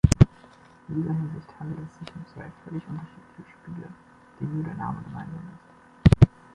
In dieser Hinsicht handelt es sich um zwei völlig unterschiedliche Spiele, denen nur der Name gemeinsam ist.